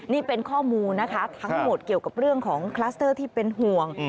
นี่เป็นข้อมูลนะคะทั้งหมดเกี่ยวกับเรื่องของคลัสเตอร์ที่เป็นห่วง